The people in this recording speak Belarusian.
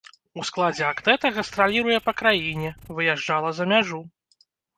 У складзе актэта гастраліруе па краіне, выязджала за мяжу.